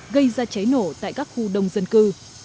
gây ra cháy nổ tại các khu đông dân cư